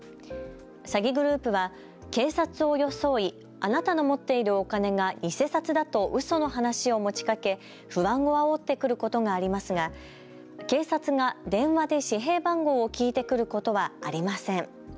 詐欺グループは警察を装いあなたの持っているお金が偽札だとうその話を持ちかけ不安をあおってくることがありますが警察が電話で紙幣番号を聞いてくることはありません。